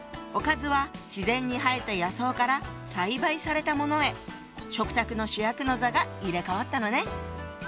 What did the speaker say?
おかずは自然に生えた野草から栽培されたものへ食卓の主役の座が入れ代わったのね。